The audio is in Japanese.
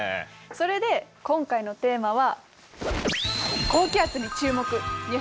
それで今回のテーマは。